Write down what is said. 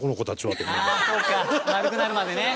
そうか丸くなるまでね。